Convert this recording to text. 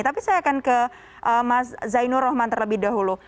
tapi saya akan ke mas zainul rohman terlebih dahulu